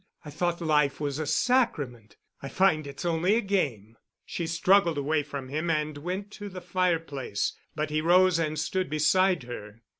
I thought life was a sacrament. I find it's only a game." She struggled away from him and went to the fireplace, but he rose and stood beside her.